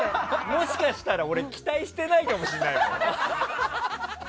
もしかしたら俺期待してないかもしれないもん。